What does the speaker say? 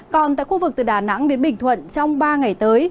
còn tại khu vực từ đà nẵng đến bình thuận trong ba ngày tới